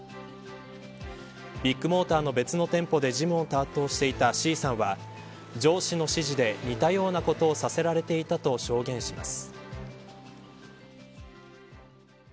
ビッグモーターの別の店舗で事務を担当していたＣさんは上司の指示で、似たようなことをさせられていたと証言しています。